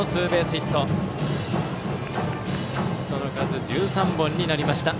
ヒットの数、１３本になりました。